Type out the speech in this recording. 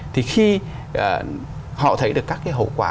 thì khi họ thấy được các cái hậu quả